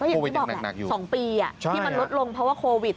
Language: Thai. โควิดยังหนักอยู่๒ปีอ่ะที่มันลดลงเพราะว่าโควิด